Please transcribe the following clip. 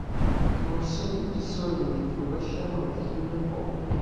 You are simply discerning the fruition of the human hope.